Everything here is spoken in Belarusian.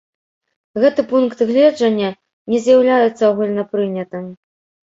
Гэты пункт гледжання не з'яўляецца агульнапрынятым.